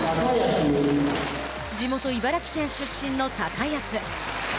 地元茨城県出身の高安。